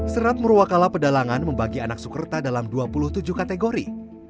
serat murwakala pedalangan membagi anak sukerta dalam dua puluh tujuh kategori